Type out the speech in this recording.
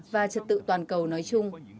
và trật tự toàn cầu nói chung